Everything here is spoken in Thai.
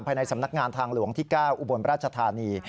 ในสำนักงานทางหลวงที่๙อุบลราชธานี